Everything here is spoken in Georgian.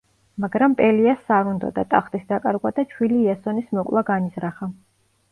მაგრამ პელიასს არ უნდოდა ტახტის დაკარგვა და ჩვილი იასონის მოკვლა განიზრახა.